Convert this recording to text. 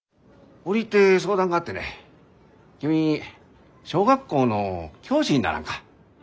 折り入って相談があってね君小学校の教師にならんか？